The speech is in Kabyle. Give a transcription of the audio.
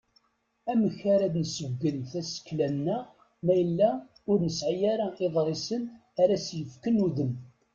Amek ara d-nsebgen tasekla-nneɣ ma yella ur nesƐi ara iḍrisen ara as-yefken udem?